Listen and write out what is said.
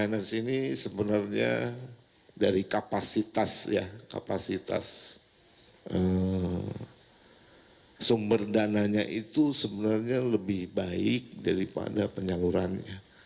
difinance ini sebenarnya dari kapasitas sumber dananya itu sebenarnya lebih baik daripada penyeluruhannya